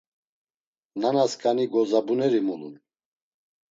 Nenasǩani gozabuneri mulun!